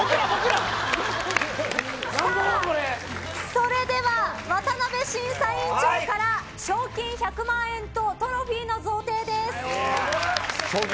それでは、渡辺審査員長から賞金１００万円とトロフィーの贈呈です。